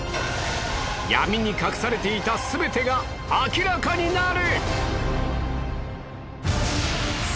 闇に隠されていたすべてが明らかになる！